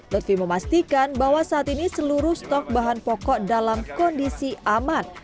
lutfi memastikan bahwa saat ini seluruh stok bahan pokok dalam kondisi aman